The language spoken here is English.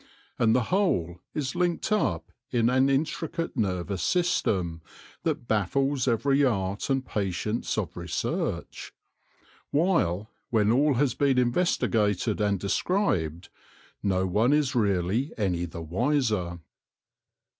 And the whole is linked up in an intricate nervous system that baffles every art and patience of research ; while, when all has been inves tigated and described, no one is really any the wiser.